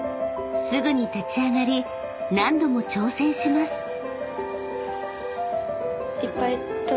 ［すぐに立ち上がり何度も挑戦します］